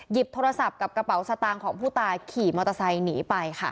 โทรศัพท์กับกระเป๋าสตางค์ของผู้ตายขี่มอเตอร์ไซค์หนีไปค่ะ